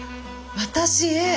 私Ａ。